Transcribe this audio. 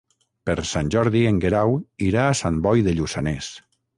Per Sant Jordi en Guerau irà a Sant Boi de Lluçanès.